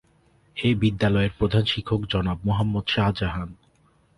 এ বিদ্যালয়ের প্রধান শিক্ষক জনাব মোহাম্মদ শাহজাহান।